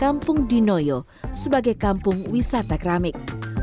kami juga memiliki keuntungan kampung di noyo sebagai kampung wisata keramik